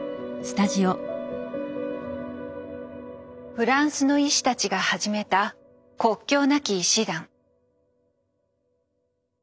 フランスの医師たちが始めた国境なき医師団。